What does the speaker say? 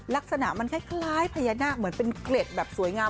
ลักษณะมันคล้ายพญานาคเหมือนเป็นเกล็ดแบบสวยงาม